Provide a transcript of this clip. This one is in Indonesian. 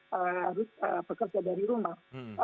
harus bekerja dari rumah